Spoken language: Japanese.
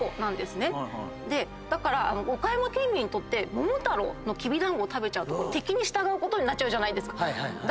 だから岡山県民にとって桃太郎のきびだんごを食べちゃうと敵に従うことになっちゃうじゃないですか。